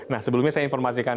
nah sebelumnya saya informasikan